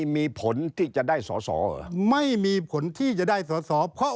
ไม่มีผลที่จะได้สอสอ